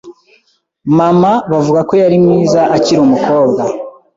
Mama bavuga ko yari mwiza akiri umukobwa.